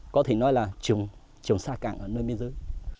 có thể nói là trùng xa cảng ở nơi biên giới